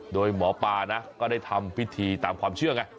โดยหมอปลานะก็ได้ทำพิธีตามความเชื่อไง